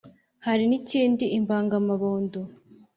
hari n’ ikindi impagamabondo,